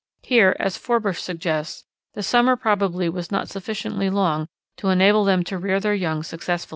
Here, as Forbush suggests, the summer probably was not sufficiently long to enable them to rear their young successfully.